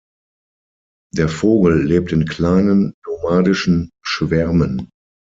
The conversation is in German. Der Vogel lebt in kleinen, nomadischen Schwärmen.